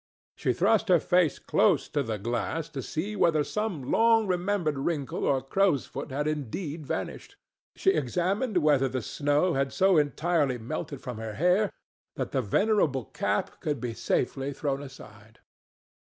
She thrust her face close to the glass to see whether some long remembered wrinkle or crow's foot had indeed vanished; she examined whether the snow had so entirely melted from her hair that the venerable cap could be safely thrown aside.